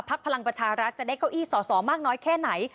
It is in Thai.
พลังประชารัฐจะได้เก้าอี้สอสอมากน้อยแค่ไหน